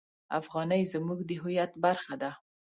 افغانۍ زموږ د هویت برخه ده.